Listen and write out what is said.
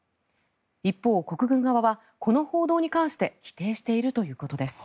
一方、国軍側はこの報道に関して否定しているということです。